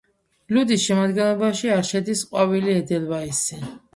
ლუდის შემადგენლობაში არ შედის ყვავილი ედელვაისი.